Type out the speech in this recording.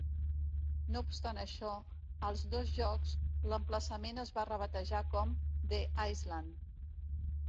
No obstant això, als dos jocs l"emplaçament es va rebatejar com "The Island".